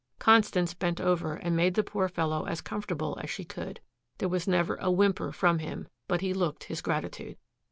Constance bent over and made the poor fellow as comfortable as she could. There was never a whimper from him, but he looked his gratitude.